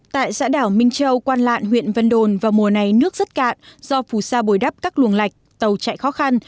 tại xã đảo minh châu quan lạng huyện vân đồn vào mùa này nước rất cạn do phù sa bồi đắp các luồng lạch tàu chạy khó khăn